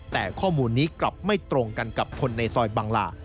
แต่ข้อมูลนี้กลับไม่ตรงกันกับคนในซอยบังลา